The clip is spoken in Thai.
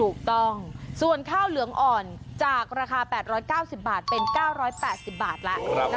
ถูกต้องส่วนข้าวเหลืองอ่อนจากราคา๘๙๐บาทเป็น๙๘๐บาทแล้ว